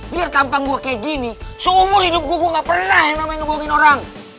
biar tampang gue kayak gini seumur hidup gue gak pernah yang namanya ngebomin orang